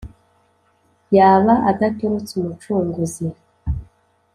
yaba adatorotse umucunguzi